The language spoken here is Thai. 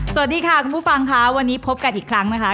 สวัสดีค่ะคุณผู้ฟังค่ะวันนี้พบกันอีกครั้งนะคะ